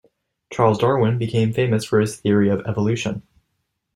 Charles Darwin became famous for his theory of evolution.